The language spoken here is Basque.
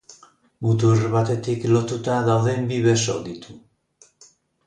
Mutur batetik lotuta dauden bi beso ditu.